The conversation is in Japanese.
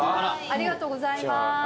ありがとうございます。